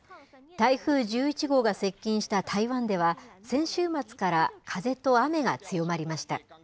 台風１１号が接近した台湾では、先週末から風と雨が強まりました。